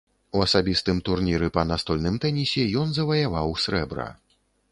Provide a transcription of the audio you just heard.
У асабістым турніры па настольным тэнісе ён заваяваў срэбра.